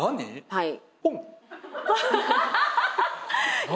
はい。